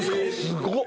すごっ！